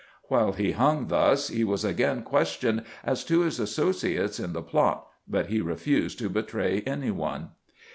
While he hung thus he was again questioned as to his associates in the "plot," but he refused to betray any one.